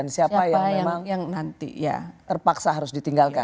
siapa yang nanti terpaksa harus ditinggalkan